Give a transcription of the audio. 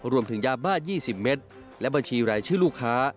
ยาบ้า๒๐เมตรและบัญชีรายชื่อลูกค้า